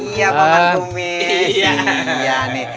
iya pak man kumis